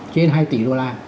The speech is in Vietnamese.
trên hai tỷ đô la